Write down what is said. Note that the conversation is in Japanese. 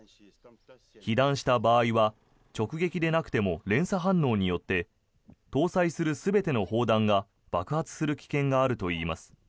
被弾した場合は直撃でなくても連鎖反応によって搭載する全ての砲弾が爆発する危険があるといいます。